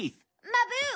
マーブー！